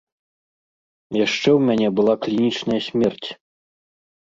Яшчэ ў мяне была клінічная смерць.